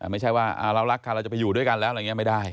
ไม่ใช่ว่าเรารักกันเราจะไปอยู่ด้วยกันแล้วอะไรอย่างนี้ไม่ได้